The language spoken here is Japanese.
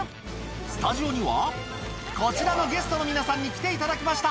スタジオには、こちらのゲストの皆さんに来ていただきました。